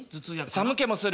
寒気もする。